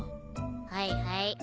はいはい。